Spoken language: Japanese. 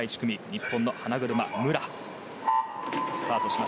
日本の花車、武良。